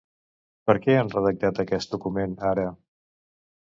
Per què han redactat aquest document ara?